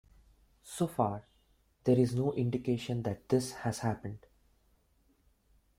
So far, there is no indication that this has happened.